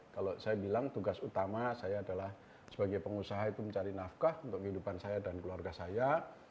kalau saya bilang tugas utama saya adalah sebagai pengusaha itu mencari nafkah untuk kehidupan saya dan keluarga saya